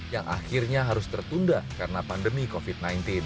yang akhirnya harus tertunda karena pandemi covid sembilan belas